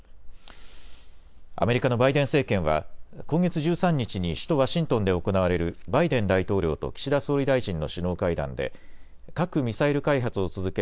アメリカのバイデン政権は今月１３日に首都ワシントンで行われるバイデン大統領と岸田総理大臣の首脳会談で核・ミサイル開発を続ける